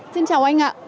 xin chào anh ạ